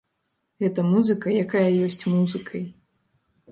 Гэта музыка, якая ёсць музыкай.